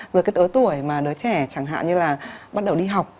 rồi cái tuổi mà đứa trẻ chẳng hạn như là bắt đầu đi học